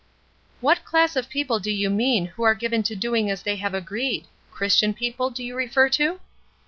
"What class of people do you mean who are given to doing as they have agreed? Christian people, do you refer to?"